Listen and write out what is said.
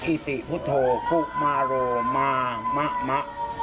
อิติพุทธโธคุมาโรมามะมะ